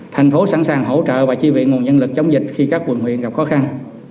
thành phố sẵn sàng hỗ trợ và chi viện nguồn nhân lực chống dịch khi các quận huyện gặp khó khăn